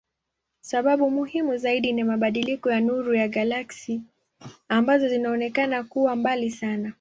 Sababu muhimu zaidi ni mabadiliko ya nuru ya galaksi ambazo zinaonekana kuwa mbali sana.